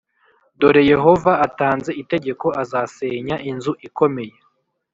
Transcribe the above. Dore Yehova atanze itegeko azasenya inzu ikomeye